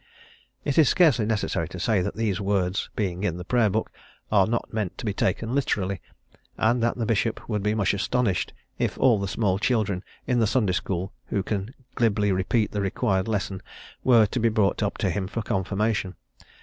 It is scarcely necessary to say that these words being in the Prayer Book are not meant to be taken literally, and that the bishop would be much astonished if all the small children in the Sunday School who can glibly repeat the required lesson, were to be brought up to him for confirmation.